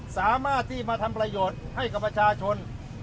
สามารถที่มาทำประโยชน์ให้กับประชาชน